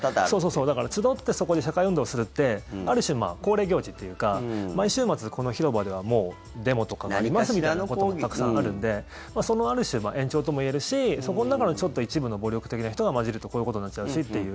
だから集ってそこで社会運動するってある種、恒例行事というか毎週末、この広場ではデモとかがありますみたいなことがたくさんあるのでその、ある種の延長ともいえるしそこの中のちょっと一部の暴力的な人が交じるとこういうことになっちゃうしっていう。